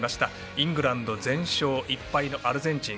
イングランド、全勝１敗のアルゼンチン。